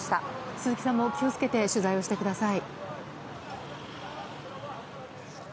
鈴木さんも気を付けて取材してください。